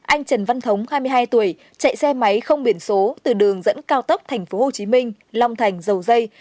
anh trần văn thống hai mươi hai tuổi chạy xe máy không biển số từ đường dẫn cao tốc thành phố hồ chí minh long thành dầu dây